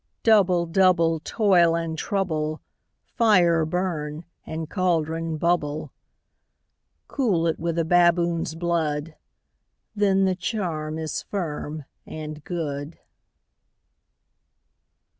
ALL. Double, double, toil and trouble; Fire, burn; and cauldron, bubble. SECOND WITCH. Cool it with a baboon's blood. Then the charm is firm and good.